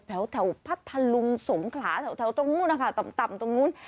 แถวพัทธลุงสงขลาแถวตรงนู้นนะคะต่ำตรงนู้น